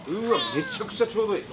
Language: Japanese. めちゃくちゃちょうどいい！